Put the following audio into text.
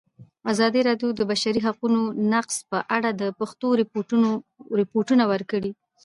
ازادي راډیو د د بشري حقونو نقض په اړه د پېښو رپوټونه ورکړي.